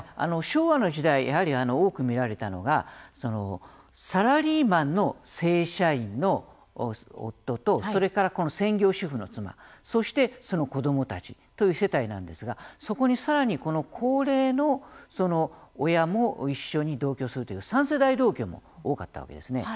昭和の時代やはり多く見られたのがサラリーマンの正社員の夫とそれから専業主婦の妻そして、その子どもたちという世帯なんですがそこにさらに高齢の親も一緒に同居するという３世代同居も多かったわけですね。